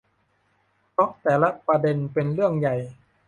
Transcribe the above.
เพราะแต่ละประเด็นเป็นเรื่องใหญ่